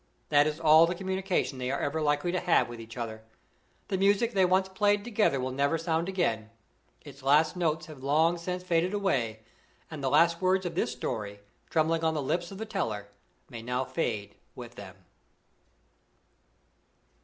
That is all the communication they are ever likely to have with each other. The music they once played together will never sound again. Its last notes have long since faded away and the last words of this story, trembling on the lips of the teller, may now fade with them.